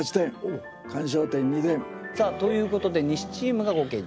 さあということで西チームが合計１２点。